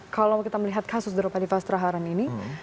kalau kita melihat kasus rupa adi fastaharan ini